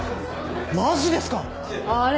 マジですか⁉あれ？